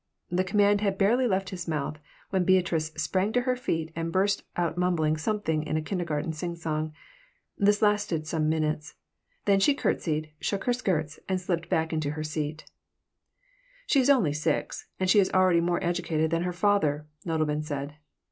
The command had barely left his mouth when Beatrice sprang to her feet and burst out mumbling something in a kindergarten singsong. This lasted some minutes Then she courtesied, shook her skirts, and slipped back into her seat "She is only six and she is already more educated than her father," Nodelman said.